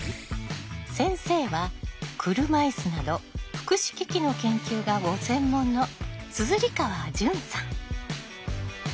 先生は車いすなど福祉機器の研究がご専門の硯川潤さん。